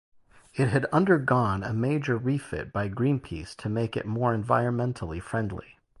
It had undergone a major refit by Greenpeace to make it more environmentally friendly.